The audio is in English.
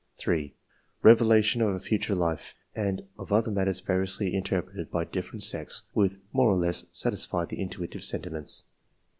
Eevelation of a future life and of other matters variously in terpreted by different sects, w^hich, more or less, satisfy the intuitive sentiments.